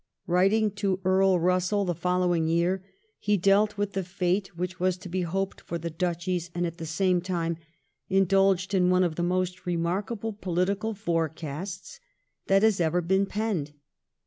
Writing to Earl Eussell the following year he dealt with the fate which was to be hoped for the Duchies, and at the same time indulged in one of the most remarkable political forecasts that has ever been penned.